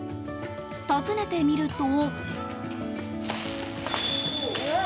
訪ねてみると。